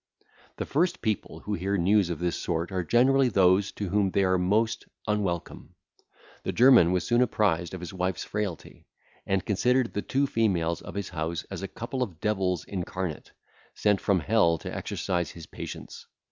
The first people who hear news of this sort are generally those to whom they are most unwelcome. The German was soon apprised of his wife's frailty, and considered the two females of his house as a couple of devils incarnate, sent from hell to exercise his patience.